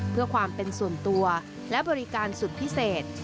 เพื่อความเป็นส่วนตัวและบริการสุดพิเศษ